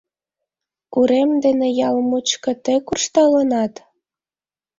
Урем дене ял мучко тый куржталынат?